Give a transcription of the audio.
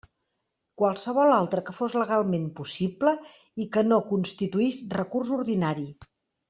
Qualsevol altra que fos legalment possible i que no constituís recurs ordinari.